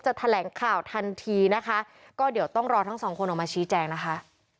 แถลงข่าวทันทีนะคะก็เดี๋ยวต้องรอทั้งสองคนออกมาชี้แจงนะคะ